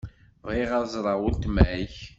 Bɣiɣ ad ẓreɣ weltma-k.